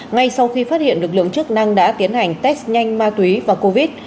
ngay sau khi phát hiện lực lượng chức năng đã tiến hành test nhanh ma túy và covid